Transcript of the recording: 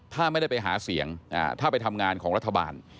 ถ้าไม่ได้ไปหาเสียงถ้าไปทำงานของรัฐบาล